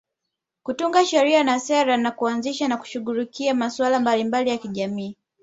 Kutunga sheria na sera na kuanzisha na kushughulikia masuala mbalimbali ya kijamii